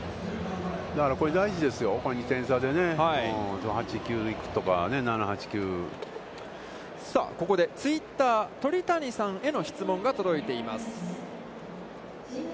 だからこれ大事ですよ、２点差でね、８、９とか、７、８、９、ここでツイッター、鳥谷さんへの質問が届けています。